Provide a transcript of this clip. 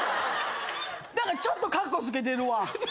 何かちょっとカッコつけてるわ。